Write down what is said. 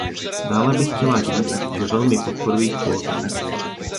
Dále bych chtěla říci, že velmi podporuji kvóty.